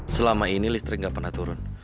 selama ini listrik nggak pernah turun